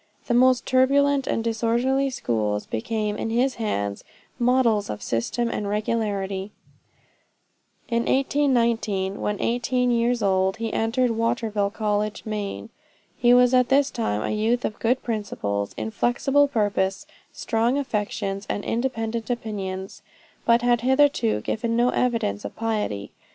The most turbulent and disorderly schools, became, in his hands, models of system and regularity. In 1819, when 18 years old, he entered Waterville College, Maine. He was at this time a youth of good principles, inflexible purpose, strong affections, and independent opinions, but had hitherto given no evidence of piety.